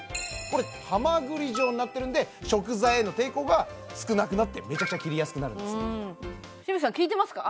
これハマグリ状になってるんで食材への抵抗が少なくなってめちゃくちゃ切りやすくなるんです紫吹さん聞いてますか？